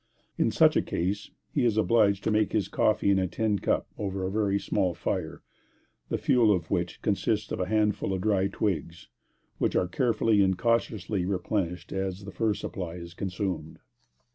In such a case he is obliged to make his coffee in a tin cup, over a very small fire, the fuel of which consists of a handful of dry twigs, which are carefully and cautiously replenished as the first supply is consumed.